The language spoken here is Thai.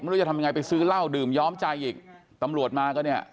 ไม่รู้จะทำยังไงไปซื้อเหล้าดื่มย้อมใจอีกตำรวจมาก็เนี่ย